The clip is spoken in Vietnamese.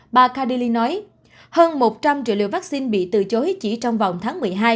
bà kadily nói hơn một trăm linh triệu liều vaccine bị từ chối chỉ trong vòng tháng một mươi hai